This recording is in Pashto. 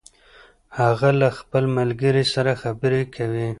هغه له خپل ملګري سره خبرې کوي